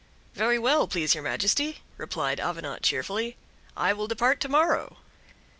"Very well, please your majesty" replied Avenant cheerfully; "I will depart to morrow."